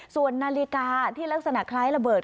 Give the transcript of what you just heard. ส่วนนาฬิกาที่ลักษณะคล้ายระเบิด